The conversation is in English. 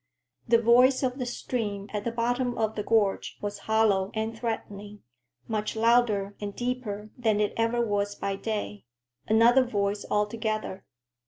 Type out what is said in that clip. The voice of the stream at the bottom of the gorge was hollow and threatening, much louder and deeper than it ever was by day—another voice altogether.